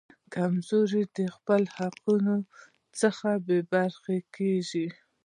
کمزورو له خپلو حقونو څخه بې برخې کیږي.